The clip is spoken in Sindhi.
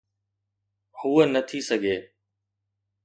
هوءَ نه ٿي سگهي.